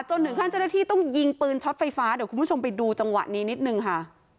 ถึงขั้นเจ้าหน้าที่ต้องยิงปืนช็อตไฟฟ้าเดี๋ยวคุณผู้ชมไปดูจังหวะนี้นิดนึงค่ะ